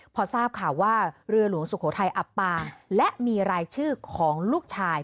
พอทราบข่าวว่าเรือหลวงสุโขทัยอับปางและมีรายชื่อของลูกชาย